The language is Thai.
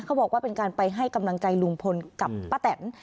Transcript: บอกว่าเป็นการไปให้กำลังใจลุงพลกับป้าแตน